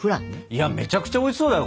いやめちゃくちゃおいしそうだよ